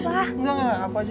engga gak aku aja